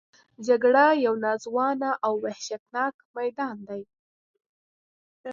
جګړه یو ناځوانه او وحشتناک میدان دی